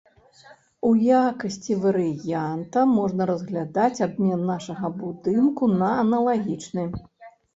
У якасці варыянта можна разглядаць абмен нашага будынку на аналагічны.